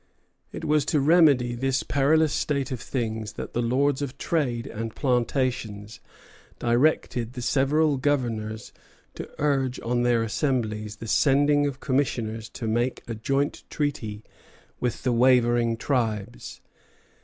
It was to remedy this perilous state of things that the Lords of Trade and Plantations directed the several governors to urge on their assemblies the sending of commissioners to make a joint treaty with the wavering tribes.